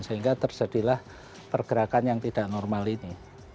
sehingga terjadilah pergerakan yang tidak normal ini